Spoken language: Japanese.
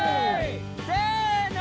せの！